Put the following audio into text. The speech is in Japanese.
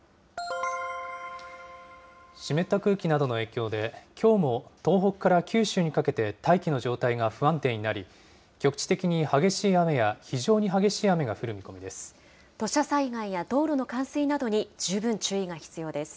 湿った空気などの影響で、きょうも東北から九州にかけて大気の状態が不安定になり、局地的に激しい雨や、非常に激しい雨が降る見込みです。